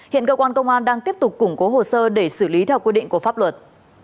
hiện cơ quan công an đang tiếp tục củng cố hồ sơ để xử lý theo quy định của pháp luật